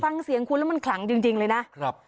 ฟังเสียงคุณแล้วมันขลังจริงเลยนะ